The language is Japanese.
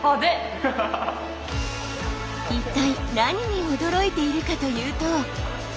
一体何に驚いているかというと。